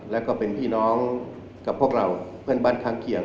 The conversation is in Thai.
แล้วก็เป็นพี่น้องกับพวกเราเพื่อนบ้านข้างเคียง